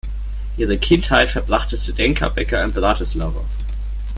Ihre Kindheit verbrachte Zdenka Becker in Bratislava.